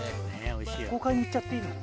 豪快に行っちゃっていいの？